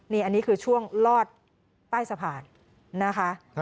นี่อันนี้คือช่วงลอดใต้สะพานนะคะ